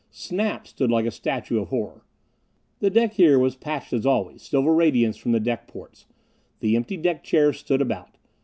Snap stood like a statue of horror. The deck here was patched as always, silver radiance from the deck ports. The empty deck chairs stood about.